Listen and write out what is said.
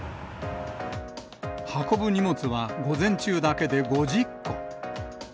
運ぶ荷物は午前中だけで５０個。